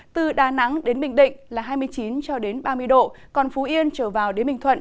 từ đà nẵng đến bình định là hai mươi chín cho đến ba mươi độ còn phú yên trở vào đến bình thuận